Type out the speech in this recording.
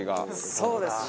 そうですね。